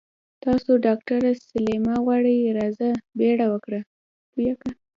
تاسو ډاکټره سليمه غواړي راځه بيړه وکړه.